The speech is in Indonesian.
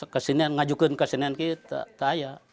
kasihan mengajukan kasihan itu tidak ada